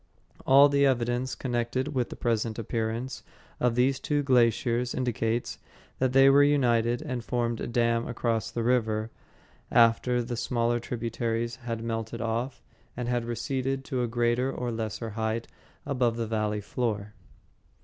All the evidence connected with the present appearance of these two glaciers indicates that they were united and formed a dam across the river after the smaller tributaries had been melted off and had receded to a greater or lesser height above the valley floor.